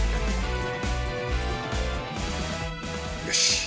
よし。